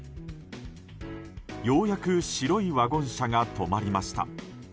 ようやく白いワゴン車が止まりました。